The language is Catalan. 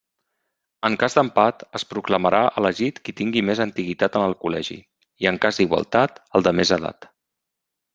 En cas d'empat, es proclamarà elegit qui tingui més antiguitat en el Col·legi i en cas d'igualtat, el de més edat.